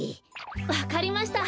わかりました。